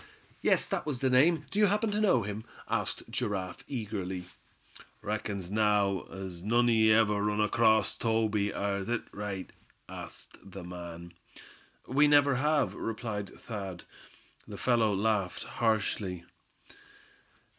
"Yes, that was the name; do you happen to know him?" asked Giraffe, eagerly. "Reckons now, as none o' ye ever run acrost Toby; air thet right?" asked the man. "We never have," replied Thad. The fellow laughed harshly.